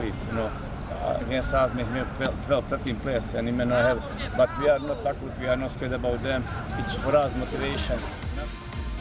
sebut saja penyerang sayap bayu gatra bek fahluddin arianto